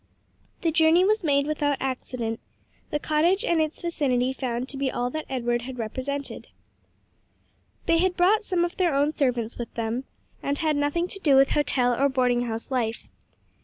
The journey was made without accident, the cottage and its vicinity found to be all that Edward had represented. They had brought some of their own servants with them, and had nothing to do with hotel or boarding house life.